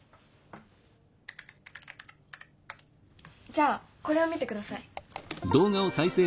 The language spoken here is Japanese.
じゃあこれを見てください。